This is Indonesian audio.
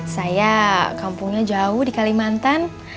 saya kampungnya jauh di kalimantan